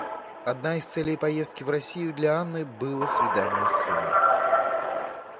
Одна из целей поездки в Россию для Анны было свидание с сыном.